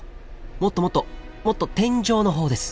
もっともっともっと天井のほうです。